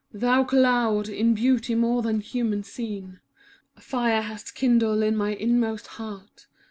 Thou Cloud, in beauty more than human seen, ' A fire hast kindled in my inmost heart.